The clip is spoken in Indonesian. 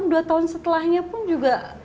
dua tahun setelahnya pun juga